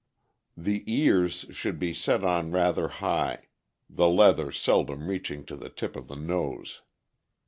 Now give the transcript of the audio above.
The ears should be set on rather high, the leather sel dom reaching to the tip of the nose.